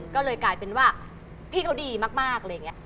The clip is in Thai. ก็เลยกลายเป็นว่าพี่เขาดีมากอะไรอย่างนี้